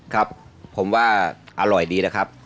ครับผมว่าอร่อยดีนะครับ